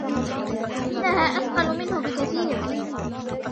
إنها أثقل منه بكثير.